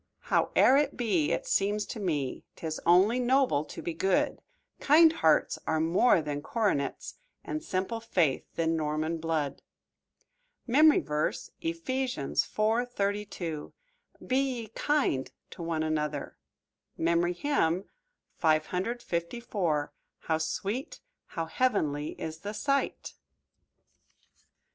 "Howe'er it be, it seems to me 'Tis only noble to be good; Kind hearts are more than coronets, And simple faith than Norman blood." MEMORY VERSE, Ephesians 4: 32 "Be ye kind to one another." MEMORY HYMN _"How sweet, how heavenly is the sight!"